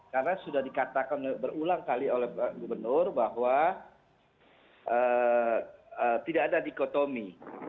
karena sudah dikatakan berulang kali oleh gubernur bahwa tidak ada dikotomi